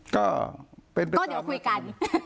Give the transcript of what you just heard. ก็เป็นการ